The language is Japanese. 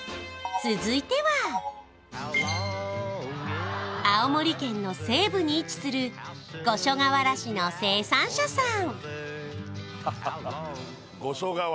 続いては青森県の西部に位置する五所川原市の生産者さん